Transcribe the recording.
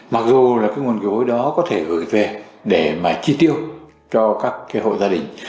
mặc dù là nguồn kiểu hối đó có thể gửi về để chi tiêu cho các hộ gia đình